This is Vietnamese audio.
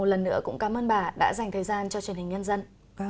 một lần nữa cũng cảm ơn bà đã dành thời gian cho truyền hình nhân dân